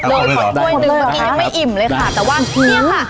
เอาหมดเลยหมดเลยหรอคะไม่อิ่มเลยค่ะแต่ว่านี่ค่ะ